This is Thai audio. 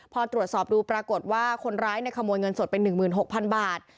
พอตรวจสอบดูปรากฏว่าคนร้ายขโมยเงินสดไป๑๖๐๐๐บาท